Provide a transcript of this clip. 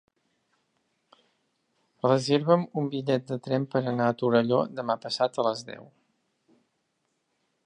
Reserva'm un bitllet de tren per anar a Torelló demà passat a les deu.